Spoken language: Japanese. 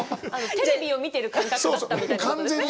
テレビを見ていた感覚で？